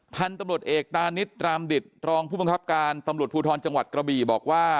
พันธุ์ตำรวจเอกตานิดรามดิตรองผู้บังคับการตำรวจภูทรจังหวัดกระบี่บอกว่า